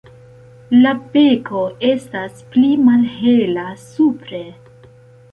La beko estas pli malhela supre.